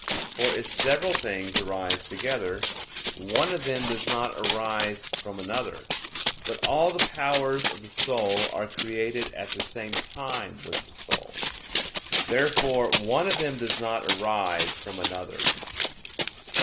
For if several things arise together, one of them does not arise from another. But all the powers of the soul are created at the same time with the soul. Therefore one of them does not arise from another.